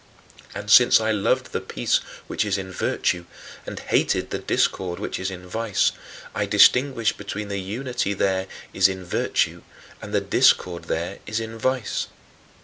And since I loved the peace which is in virtue, and hated the discord which is in vice, I distinguished between the unity there is in virtue and the discord there is in vice.